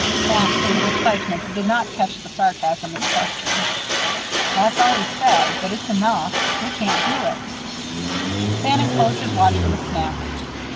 Max, in his excitement, did not catch the sarcasm in the question. "That's all he said, but it's enough. We can't do it" Bannon closed his watch with a snap.